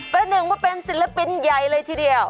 ประหนึ่งว่าเป็นศิลปินใหญ่เลยทีเดียว